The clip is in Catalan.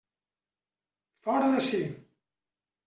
Fora d'ací!